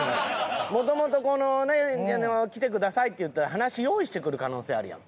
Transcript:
もともとこのね来てくださいって言ったら話用意してくる可能性あるやん。